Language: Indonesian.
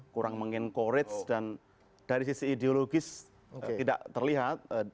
kurang mengencourage dan dari sisi ideologis tidak terlihat